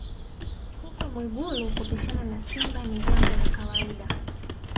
Huko Mwigulu kupishana na simba ni jambo la kawaida